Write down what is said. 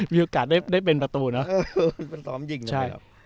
มีโอกาสได้เป็นประตูเนอะ